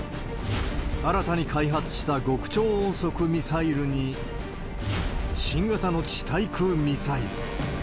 新たに開発した極超音速ミサイルに、新型の地対空ミサイル。